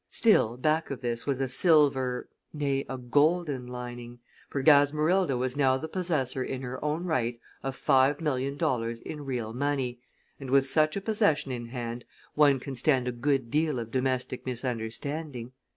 Still, back of this was a silver nay, a golden lining, for Gasmerilda was now the possessor in her own right of five million dollars in real money, and with such a possession in hand one can stand a good deal of domestic misunderstanding.